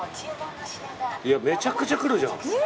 めちゃくちゃくるじゃん。